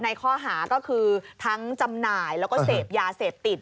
ในข้อหาก็คือทั้งจำหน่ายแล้วก็เสพยาเสพติด